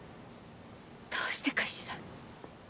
どうしてかしら。